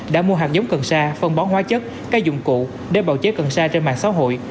đã mua hạt giống cần sa phân bón hóa chất các dụng cụ để bào chế cần sa trên mạng xã hội